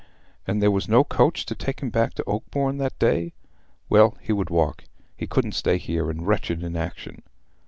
And there was no coach to take him back to Oakbourne that day. Well, he would walk: he couldn't stay here, in wretched inaction.